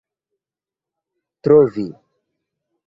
trovi